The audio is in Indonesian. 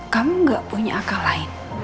kamu gak punya akal lain